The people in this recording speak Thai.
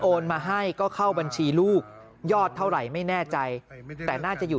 มาให้ก็เข้าบัญชีลูกยอดเท่าไหร่ไม่แน่ใจแต่น่าจะอยู่